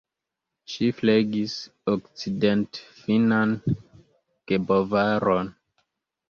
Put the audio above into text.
Ŝi flegis okcidentfinnan gebovaron.